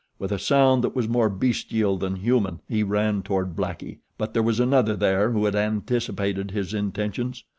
With a sound that was more bestial than human he ran toward Blackie; but there was another there who had anticipated his intentions.